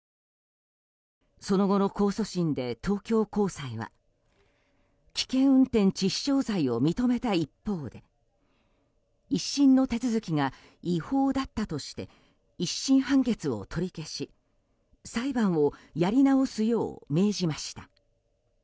その後の控訴審で東京高裁は危険運転致死傷罪を認めた一方で１審の手続きが違法だったとして１審判決を取り消し裁判をやり直すよう命じました。